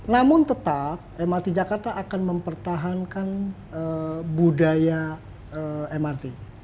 namun tetap mrt jakarta akan mempertahankan budaya mrt